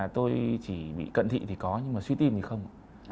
tôi chỉ bị cận thị thì có nhưng mà suy tim thì không